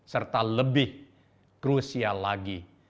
serta lebih krusial lagi